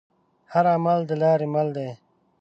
هر عمل دلارې مل دی.